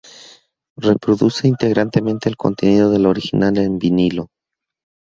Reproduce íntegramente el contenido del original en vinilo.